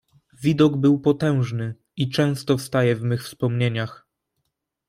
"Widok był potężny i często wstaje w mych wspomnieniach."